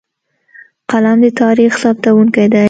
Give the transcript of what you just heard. قلم د تاریخ ثبتونکی دی.